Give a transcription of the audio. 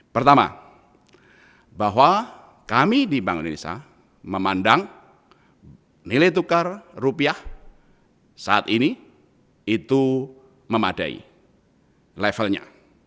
pertama bahwa kami di bank indonesia memandang nilai tukar rupiah saat ini itu memadai levelnya